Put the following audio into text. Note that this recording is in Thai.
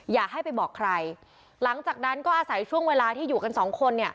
อย่าให้ไปบอกใครหลังจากนั้นก็อาศัยช่วงเวลาที่อยู่กันสองคนเนี่ย